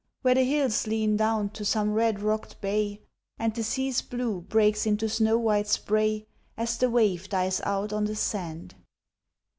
Where the hills lean down to some red rocked bay And the sea's blue breaks into snow white spray As the wave dies out on the sand.